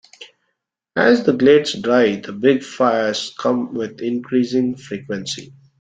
As the glades dry, the big fires come with increasing frequency.